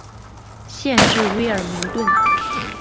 县治威尔明顿。